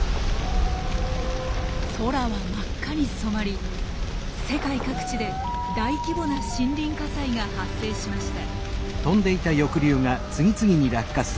空は真っ赤に染まり世界各地で大規模な森林火災が発生しました。